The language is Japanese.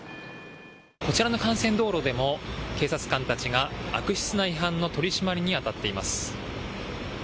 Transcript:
こちらの幹線道路でも警察官たちが悪質な違反の取締りにあたっています。